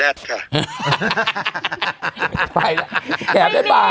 โอเค